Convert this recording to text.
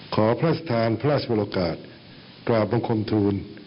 ขอพระราชทานพระราชบุรกาศกราบบังคมทูล